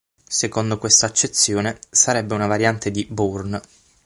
Secondo questa accezione, sarebbe una variante di "Bourne".